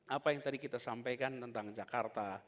apa yang tadi kita sampaikan tentang jakarta